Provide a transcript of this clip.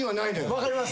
分かります。